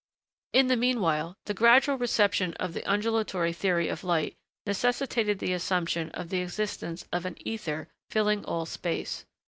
In the meanwhile, the gradual reception of the undulatory theory of light necessitated the assumption of the existence of an 'ether' filling all space.